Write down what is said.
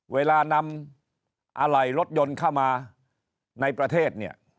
เวลานำอะไรรถยนต์เข้ามาในประเทศ